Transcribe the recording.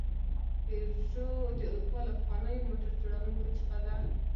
پيژو د اروپا له پخوانیو موټر جوړونکو څخه ده.